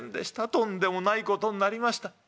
とんでもないことになりました。